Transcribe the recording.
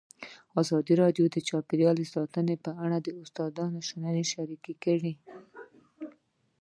ازادي راډیو د چاپیریال ساتنه په اړه د استادانو شننې خپرې کړي.